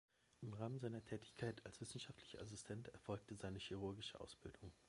Im Rahmen seiner Tätigkeit als wissenschaftlicher Assistent erfolgte seine chirurgische Ausbildung.